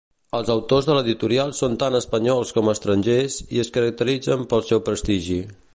Els autors de l'editorial són tant espanyols com estrangers i es caracteritzen pel seu prestigi.